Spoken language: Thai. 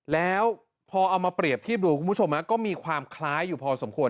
แล้วพอเอามาเปรียบเทียบดูคุณผู้ชมก็มีความคล้ายอยู่พอสมควร